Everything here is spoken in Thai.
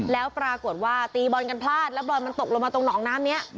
แล้วปรากฏว่าตีบอลกันพลาดแล้วบอยมันตกลงมาตรงหนองน้ำนี้